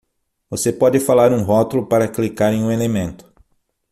Você pode falar um rótulo para clicar em um elemento.